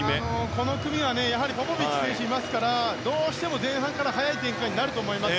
この組はポポビッチ選手がいますからどうしても前半から速い展開になると思います。